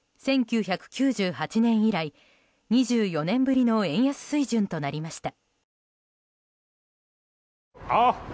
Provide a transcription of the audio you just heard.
１９９８年以来、２４年ぶりの円安水準となりました。